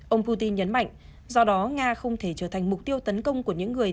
ông putin nhấn mạnh do đó nga không thể trở thành mục tiêu tấn công của những người